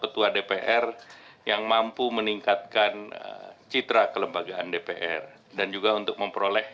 kinerjanya diharapkan untuk dapat ditingkatkan dan oleh karena itu diperlukan sorotan